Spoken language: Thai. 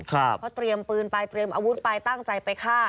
เพราะเตรียมปืนไปเตรียมอาวุธไปตั้งใจไปฆ่า